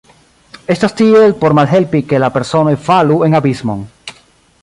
Estas tiel, por malhelpi, ke la personoj falu en abismon.